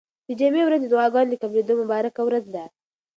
د جمعې ورځ د دعاګانو د قبلېدو مبارکه ورځ ده.